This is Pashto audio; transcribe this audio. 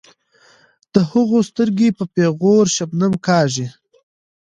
د هغو سترګې په پیغور شبنم کاږي.